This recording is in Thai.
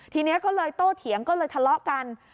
ทีนี้ก็เลยโตเถียงก็เลยทะเลาะกัน